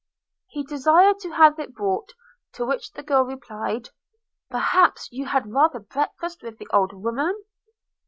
He desired to have it brought. To which the girl replied, 'Perhaps you had rather breakfast with the old women?'